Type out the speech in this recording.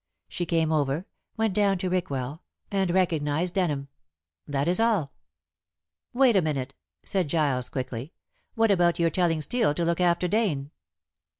She came over, went down to Rickwell, and recognized Denham. That is all." "Wait a minute," said Giles quickly, "what about your telling Steel to look after Dane?"